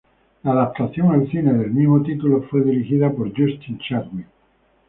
La adaptación al cine, del mismo título, fue dirigida por Justin Chadwick.